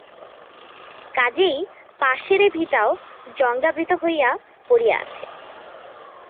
কাজেই পাশের এ ভিটাও জঙ্গলাবৃত হইয়া পড়িয়া আছে।